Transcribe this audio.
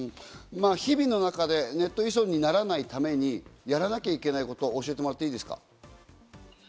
日々の中で、ネット依存にならないためにやらなきゃいけないことを教えてもらっていいですか？